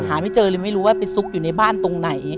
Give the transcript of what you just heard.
ไม่เจอเลยไม่รู้ว่าไปซุกอยู่ในบ้านตรงไหน